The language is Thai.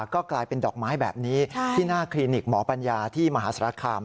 ก็กลายเป็นดอกไม้แบบนี้ที่หน้าคลินิกหมอปัญญาที่มหาสารคาม